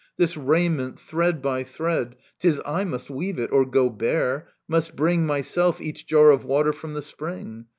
This raiment ... thread by thread, 'Tis I must weave it, or go bare — must bring, M}rself, each jar of water from the spring.